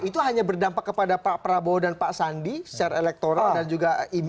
itu hanya berdampak kepada pak prabowo dan pak sandi secara elektoral dan juga imlek